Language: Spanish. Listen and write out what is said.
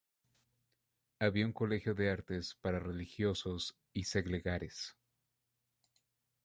Había un colegio de artes para religiosos y seglares.